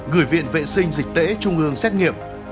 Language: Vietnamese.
gửi viện vệ sinh dịch tễ trung ương xét nghiệm